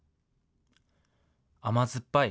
甘酸っぱい。